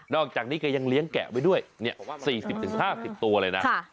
อกจากนี้ก็ยังเลี้ยงแกะไว้ด้วย๔๐๕๐ตัวเลยนะ